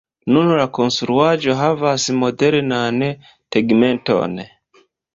Nun la konstruaĵo havas modernan tegmenton.